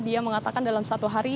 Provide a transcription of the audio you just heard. dia mengatakan dalam satu hari